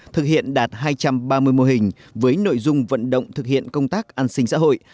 thực hiện đạt hai trăm ba mươi mô hình với nội dung vận động thực hiện công tác an sinh xã hội